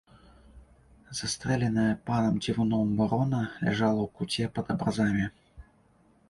Застрэленая панам цівуном варона ляжала ў куце пад абразамі.